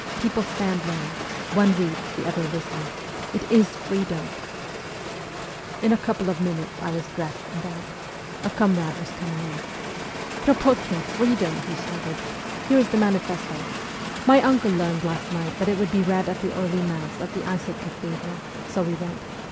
People stand round; one reads, the others listen. It is freedom !' In a couple of minutes I was dressed and out. A comrade was coming in. ' Krop6tkin, freedom !' he shouted. ' Here is the manifesto. My uncle learned last night that it would be read at the early Mass at the Isaac Cathedral ; so we went.